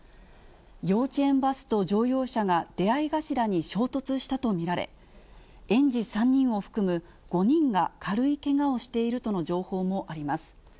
幼稚園バスと乗用車が出会い頭に衝突したと見られ、園児３人を含む５人が軽いけがをしているとの情報もあります。